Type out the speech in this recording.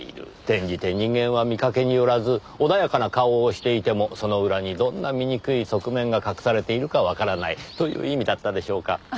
転じて人間は見かけによらず穏やかな顔をしていてもその裏にどんな醜い側面が隠されているかわからない。という意味だったでしょうか。